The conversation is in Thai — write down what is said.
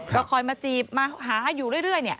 ก็คอยมาจีบมาหาอยู่เรื่อย